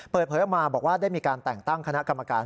เปิดเผยออกมาบอกว่าได้มีการแต่งตั้งคณะกรรมการ